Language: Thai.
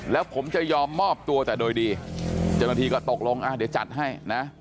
แล้วผมจะยอมมอบตัวแต่โดยดีเจ้าหน้าที่ก็ตกลงอ่ะเดี๋ยวจัดให้นะ